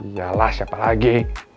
yalah siapa lagi